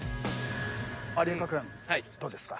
有岡君どうですか？